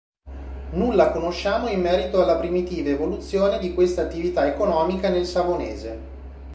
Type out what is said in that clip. Nulla conosciamo in merito alla primitiva evoluzione di questa attività economica nel Savonese.